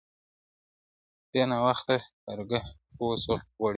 ډېر ناوخته کارګه پوه سو غولېدلی!.